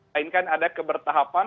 lainkan ada kebertahapan